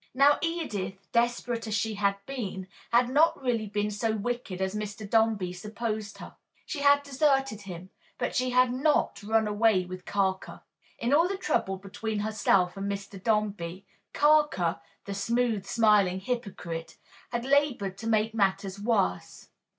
Now Edith, desperate as she had been, had not really been so wicked as Mr. Dombey supposed her. She had deserted him, but she had not run away with Carker. In all the trouble between herself and Mr. Dombey, Carker (the smooth, smiling hypocrite!) had labored to make matters worse.